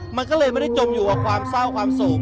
มันก็เลยไม่ได้จมอยู่กับความเศร้าความสูง